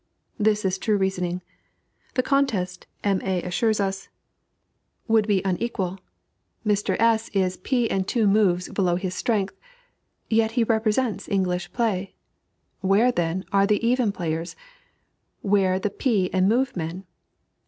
This is true reasoning. The contest, "M. A." assures us, would be unequal. Mr. S. is P and two moves below his strength, yet he represents English play. Where, then, are the even players, where the P and move men?